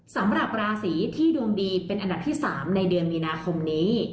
สำหรับราศีที่ดวงดีเป็นอันดับที่๓ในเดือนมีนาคมนี้